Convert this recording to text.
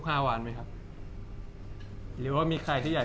จากความไม่เข้าจันทร์ของผู้ใหญ่ของพ่อกับแม่